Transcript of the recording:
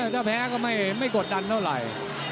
ถ้าแพ้ก็ไม่กดดันเท่าไหร่